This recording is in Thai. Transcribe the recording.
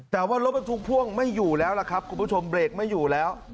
แต่ว่ารถบรรทุกพ่วงไม่อยู่แล้วล่ะครับคุณผู้ชมเบรกไม่อยู่แล้ว